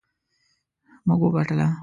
موږ وګټله